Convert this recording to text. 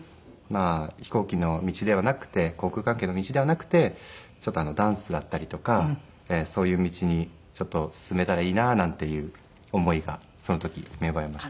飛行機の道ではなくて航空関係の道ではなくてちょっとダンスだったりとかそういう道に進めたらいいななんていう思いがその時芽生えました。